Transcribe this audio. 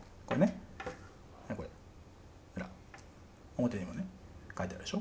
表にもねかいてあるでしょ。